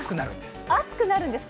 暑くなるんですか。